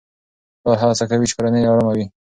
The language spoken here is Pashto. پلار هڅه کوي چې کورنۍ يې آرامه وي.